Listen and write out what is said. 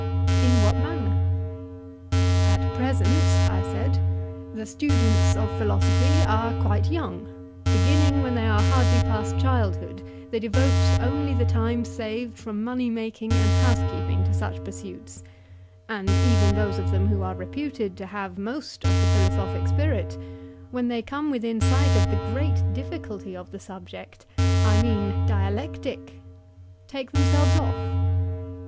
In what manner? At present, I said, the students of philosophy are quite young; beginning when they are hardly past childhood, they devote only the time saved from moneymaking and housekeeping to such pursuits; and even those of them who are reputed to have most of the philosophic spirit, when they come within sight of the great difficulty of the subject, I mean dialectic, take themselves off.